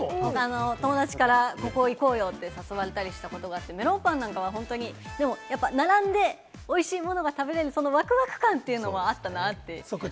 友達から行こうよって誘われたりしたことがあって、メロンパンなんかは並んで、おいしいものが食べれるワクワク感というのはあったなって思いましたね。